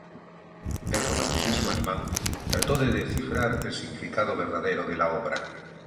El Romanticismo alemán trató de descifrar el significado verdadero de la obra.